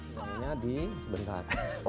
soalnya di seberang kata